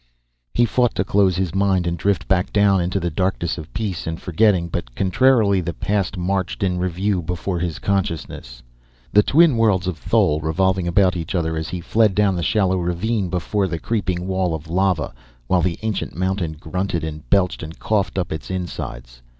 He fought to close his mind and drift back down into the darkness of peace and forgetting, but contrarily the past marched in review before his consciousness: The twin worlds of Thole revolving about each other as he fled down the shallow ravine before the creeping wall of lava, while the ancient mountain grunted and belched, and coughed up its insides.